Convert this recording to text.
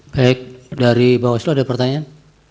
baik dari bawaslu ada pertanyaan